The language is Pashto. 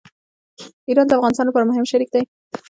ایران د افغانستان لپاره مهم شریک دی.